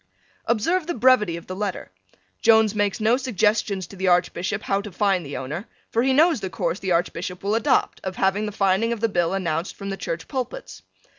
Observe the brevity of the letter. Jones makes no suggestions to the Archbishop how to find the owner, for he knows the course the Archbishop will adopt, of having the finding of the bill announced from the Church pulpits.